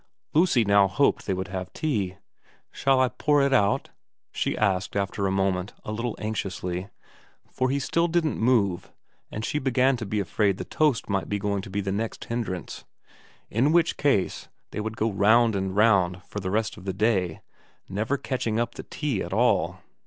Lucy now hoped they would have tea. ' Shall I pour it out ?' she asked after a moment a little anxiously, for he still didn't move and she began to be afraid the toast might be going to be the next hindrance ; in which case they would go round and round for the rest of the day, never catching up the tea at all.